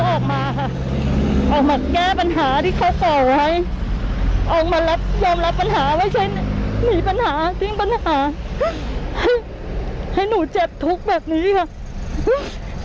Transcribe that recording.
หนูตัวคนเดียวไม่มีพ่อไม่มีแม่มาทำร้ายหนูกันแบบนี้หรอ